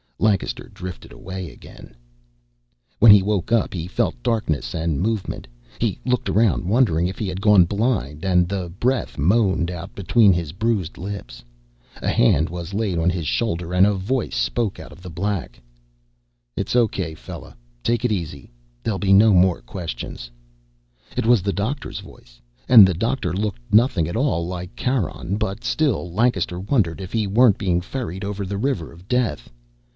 Lancaster drifted away again. When he woke up, he felt darkness and movement. He looked around, wondering if he had gone blind, and the breath moaned out between his bruised lips. A hand was laid on his shoulder and a voice spoke out of the black. "It's okay, fella. Take it easy. There'll be no more questions." It was the doctor's voice, and the doctor looked nothing at all like Charon, but still Lancaster wondered if he weren't being ferried over the river of death.